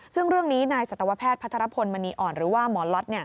ซึ่งเรื่องนี้นายสัตวแพทย์พัทรพลมณีอ่อนหรือว่าหมอล็อต